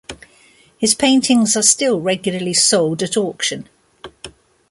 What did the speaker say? His paintings are still regularly sold at auction.